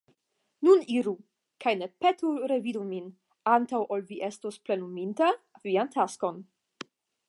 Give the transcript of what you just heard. Nun iru, kaj ne petu revidi min antaŭ ol vi estos plenuminta vian taskon.